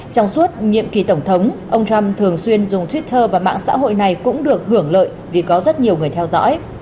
trong suốt nhiệm kỳ tổng thống ông trump thường xuyên dùng twitter và mạng xã hội này cũng được hưởng lợi vì có rất nhiều người theo dõi